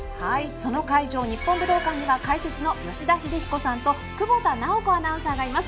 その会場、日本武道館には解説の吉田秀彦さんと久保田直子アナウンサーがいます。